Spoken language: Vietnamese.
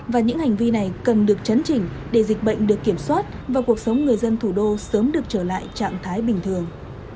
và những hành vi này cần được chấn chỉnh để dịch bệnh được kiểm soát và cuộc sống người dân thủ đô sớm được trở lại trạng thái bình thường